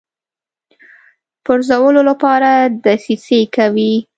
پرزولو لپاره دسیسې کوي.